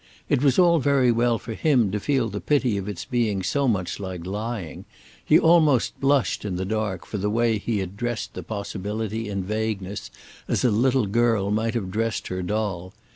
It was all very well for him to feel the pity of its being so much like lying; he almost blushed, in the dark, for the way he had dressed the possibility in vagueness, as a little girl might have dressed her doll.